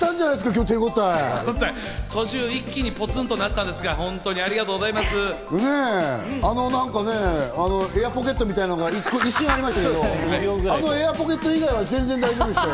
今途中、一気にポツンとなったエアポケットみたいなのが一瞬ありましたけど、あのエアポケット以外は全然大丈夫でしたよ。